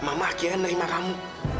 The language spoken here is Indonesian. mama akhirnya menerima kamu